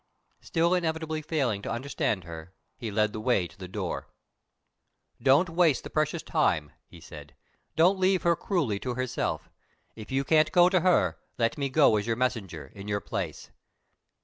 Still inevitably failing to understand her, he led the way to the door. "Don't waste the precious time," he said. "Don't leave her cruelly to herself. If you can't go to her, let me go as your messenger, in your place."